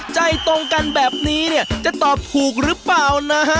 ใจตรงกันแบบนี้หรือเปล่า